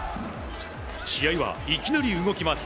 試合はいきなり動きます。